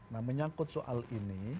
nah menyangkut soal ini